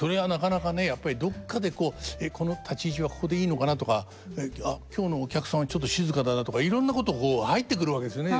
やっぱりどっかでこう「この立ち位置はここでいいのかな」とか「あっ今日のお客さんはちょっと静かだな」とかいろんなことこう入ってくるわけですよね。